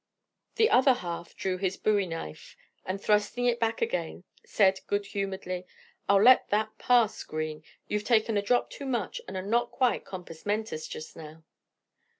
The other half drew his bowie knife, then thrusting it back again, said good humoredly, "I'll let that pass, Green; you've taken a drop too much and are not quite compos mentis just now."